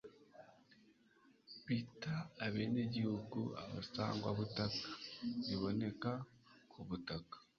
bita abenegihugu abasangwabutaka (biboneka ku butaka